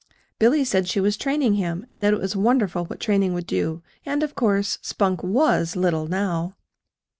Billy said she was training him; that it was wonderful what training would do, and, of course, Spunk WAS little, now.